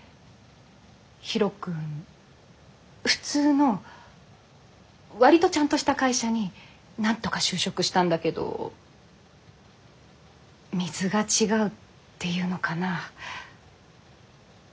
ヒロ君普通の割とちゃんとした会社になんとか就職したんだけど水が違うっていうのかな。